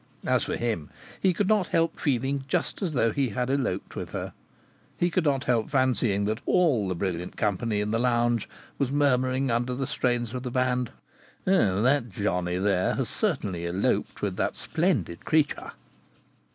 As for him, he could not help feeling just as though he had eloped with her. He could not help fancying that all the brilliant company in the lounge was murmuring under the strains of the band: "That johnny there has certainly eloped with that splendid creature!"